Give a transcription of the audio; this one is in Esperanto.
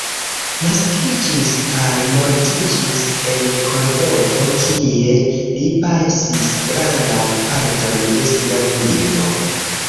Naskiĝis kaj mortiĝis en Kordovo, kie li pasis grandan parton de sia vivo.